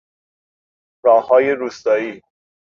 راههای روستایی